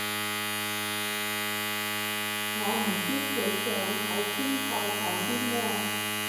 我唔知佢想喺天台講啲咩